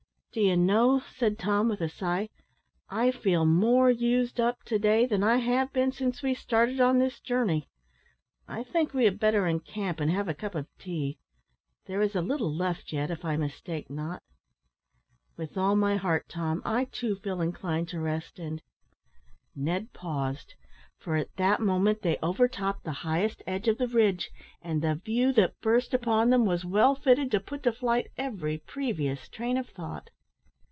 "Do you know," said Tom, with a sigh, "I feel more used up to day than I have been since we started on this journey. I think we had better encamp and have a cup of tea; there is a little left yet, if I mistake not." "With all my heart, Tom; I, too, feel inclined to rest, and " Ned paused, for at that moment they overtopped the highest edge of the ridge, and the view that burst upon them was well fitted to put to flight every previous train of thought.